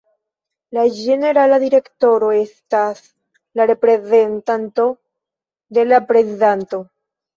La ĝenerala direktoro estas la reprezentanto de la prezidanto.